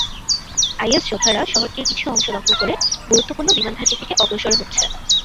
Is যোদ্ধারা শহরটির কিছু অংশ দখল করে গুরুত্বপূর্ণ বিমানঘাঁটির দিকে অগ্রসর হচ্ছে।